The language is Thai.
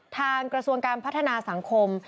กระทรวงการพัฒนาสังคม